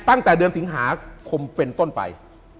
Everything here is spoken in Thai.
ตั้งแต่เดือนสิงหาคมเป็นต้นไป